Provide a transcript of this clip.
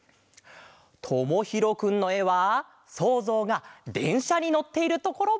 ともひろくんのえはそうぞうがでんしゃにのっているところ。